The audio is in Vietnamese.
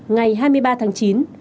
ngày hai mươi ba tháng chín